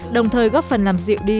đồng thời góp phần làm dịu đi